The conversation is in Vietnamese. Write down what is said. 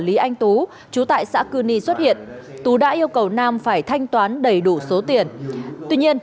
lý anh tú chú tại xã cư ni xuất hiện tú đã yêu cầu nam phải thanh toán đầy đủ số tiền tuy nhiên